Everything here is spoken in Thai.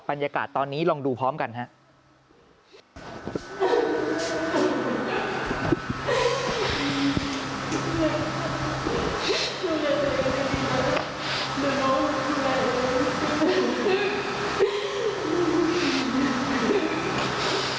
บรรยากาศตอนนี้ลองดูพร้อมกันครับ